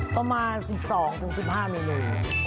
ประมาณ๑๒๑๕มิลลิเมตร